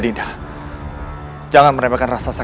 dinda tiba tiba merasakan perut dinda mual dan